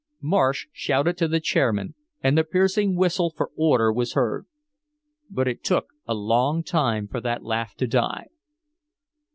Marsh shouted to the chairman, and the piercing whistle for order was heard. But it took a long time for that laugh to die.